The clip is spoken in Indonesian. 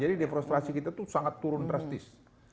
jadi defrostrasi kita itu sangat turun drastis